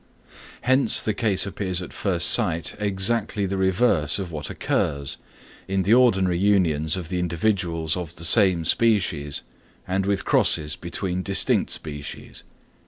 Hence the case appears at first sight exactly the reverse of what occurs, in the ordinary unions of the individuals of the same species and with crosses between distinct species.